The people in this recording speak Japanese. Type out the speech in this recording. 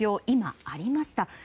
今、ありました。